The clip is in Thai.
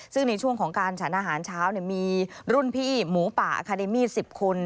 ซึ่งในช่วงของการฉันอาหารเช้ามีรุ่นพี่หมูป่าอาคาเดมี่๑๐คน